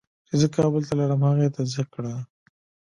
چې زه کابل ته لاړم هغه یې تصدیق کړه.